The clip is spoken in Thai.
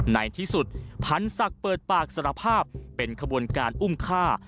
ในที่สุดพันธศักดิ์เปิดปากสารภาพเป็นขบวนการอุ้มฆ่า